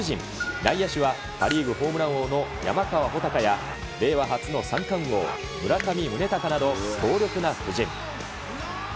内野手はパ・リーグホームラン王の山川穂高や、令和初の三冠王、村上宗隆など強力な布陣。